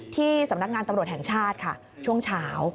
ที่สำนักงานตำรวจแห่งชาติค่ะช่วงเช้า